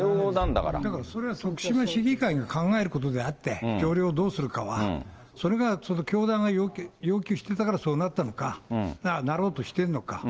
だからそれは徳島市議会が考えることであって、条例をどうするかは、それが教団が要求してたからそうなったのか、なろうとしてるのか。